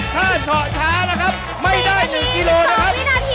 ถ้าเฉาะช้านะครับไม่ได้๑กิโลนะครับ